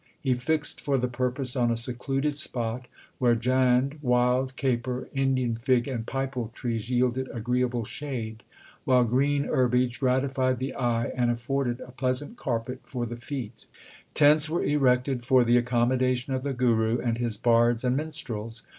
He fixed for the purpose on a secluded spot, where jand 1 , wild caper, Indian fig, and pipal trees yielded agreeable shade, while green herbage gratified the eye and 1 The Prosopis Spia gera. 60 THE SIKH RELIGION afforded a pleasant carpet for the feet. Tents were erected for the accommodation of the Guru and his bards and minstrels.